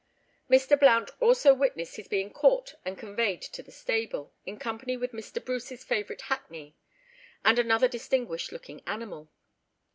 Mr. Blount also witnessed his being caught and conveyed to the stable, in company with Mr. Bruce's favourite hackney, and another distinguished looking animal.